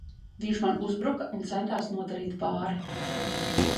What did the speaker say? Viņš man uzbruka un centās nodarīt pāri!